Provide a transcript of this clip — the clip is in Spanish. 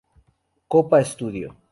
Copa Studio